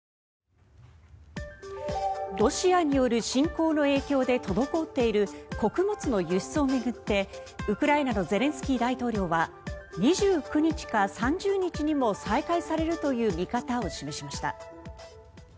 ロシアによる侵攻の影響で滞っている穀物の輸出を巡ってウクライナのゼレンスキー大統領は２９日か３０日にも再開されるという見方を示しました。